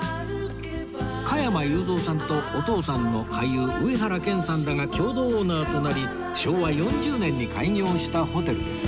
加山雄三さんとお父さんの俳優上原謙さんらが共同オーナーとなり昭和４０年に開業したホテルです